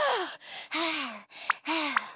はあはあ。